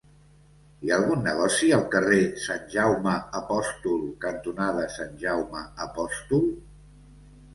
Hi ha algun negoci al carrer Sant Jaume Apòstol cantonada Sant Jaume Apòstol?